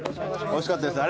おいしかったです。